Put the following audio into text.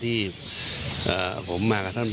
อีกสักครู่เดี๋ยวจะ